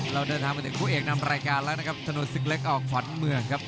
เราเดินทางมาถึงคู่เอกนำรายการแล้วนะครับถนนศึกเล็กออกขวัญเมืองครับ